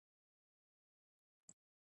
د ویښتو د غوړ کیدو لپاره باید څه وکړم؟